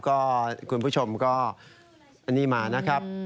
ก็คุณผู้ชมก็อันนี้มานะครับ